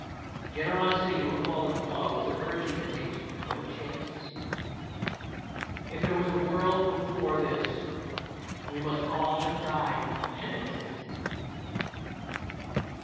Generosity to a fallen foe is a virtue that takes no chances. If there was a world before this we must all have died impenitent.